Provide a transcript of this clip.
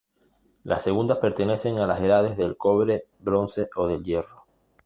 Las segundas pertenecen a las edades del cobre, bronce o del hierro.